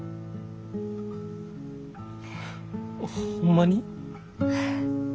ホンマに？